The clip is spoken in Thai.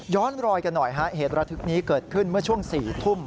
รอยกันหน่อยฮะเหตุระทึกนี้เกิดขึ้นเมื่อช่วง๔ทุ่ม